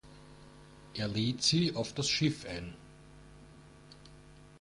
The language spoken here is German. Er lädt sie auf das Schiff ein.